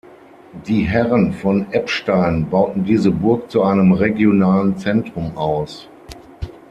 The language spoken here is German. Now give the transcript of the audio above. Die Herren von Eppstein bauten diese Burg zu einem regionalen Zentrum aus.